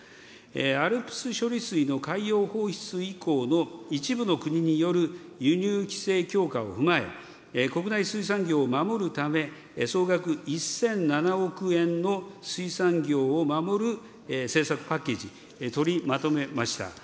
ＡＬＰＳ処理水の海洋放出以降の一部の国による輸入規制強化を踏まえ、国内水産業を守るため、総額１００７億円の水産業を守る政策パッケージ、取りまとめました。